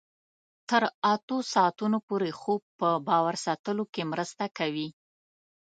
تر اتو ساعتونو پورې خوب په باور ساتلو کې مرسته کوي.